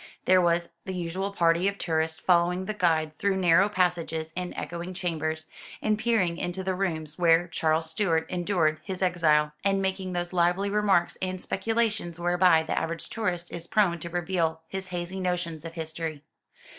There was the usual party of tourists following the guide through narrow passages and echoing chambers, and peering into the rooms where Charles Stuart endured his exile, and making those lively remarks and speculations whereby the average tourist is prone to reveal his hazy notions of history.